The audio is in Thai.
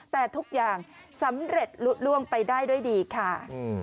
แต่ทุกอย่างสำเร็จลุดล่วงไปได้ด้วยดีค่ะ